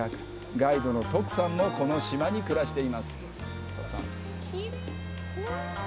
ガイドの徳さんもこの島に暮らしています。